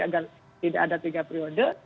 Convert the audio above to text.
agar tidak ada tiga periode